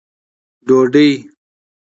ډوډۍ